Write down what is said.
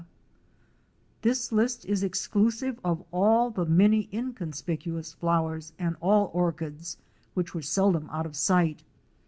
This list is exclusive of all the many inconspicuous flowers and all orchids, which were seldom out of sight.